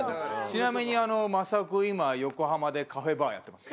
ちなみにまさお君今横浜でカフェバーやってます。